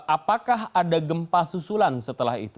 apakah ada gempa susulan setelah itu